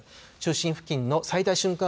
中心付近の最大瞬間